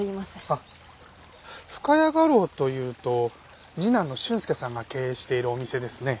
あっ深谷画廊というと次男の俊介さんが経営しているお店ですね。